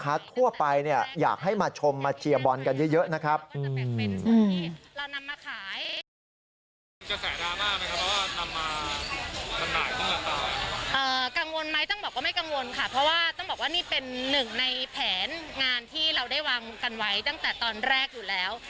เพราะว่าต้องบอกว่านี่เป็นหนึ่งในแผนงานที่เราได้วางกันไว้ตั้งแต่ตอนแรกอยู่แล้ว